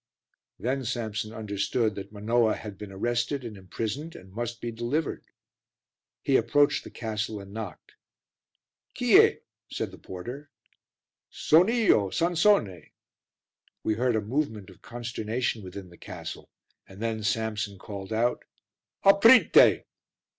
Then Samson understood that Manoah had been arrested and imprisoned and must be delivered. He approached the castle and knocked. "Chi e?" said the porter. "Son io, Sansone." We heard a movement of consternation within the castle and then Samson called out "Aprite."